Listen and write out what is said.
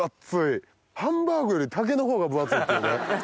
ハンバーグよりタケノコが分厚いっていうね。